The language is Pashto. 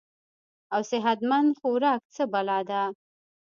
او صحت مند خوراک څۀ بلا ده -